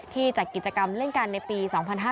ที่จากกิจกรรมเล่นกันในปี๒๕๔๘